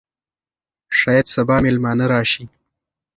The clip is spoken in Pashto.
شاید سبا مېلمانه راشي.